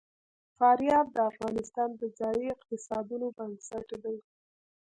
فاریاب د افغانستان د ځایي اقتصادونو بنسټ دی.